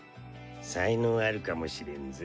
才能あるかもしれんぞ。